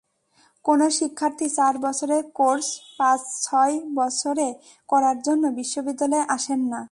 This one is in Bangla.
কোনো শিক্ষার্থী চার বছরের কোর্স পাঁচ-ছয় বছরে করার জন্য বিশ্ববিদ্যালয়ে আসেন না।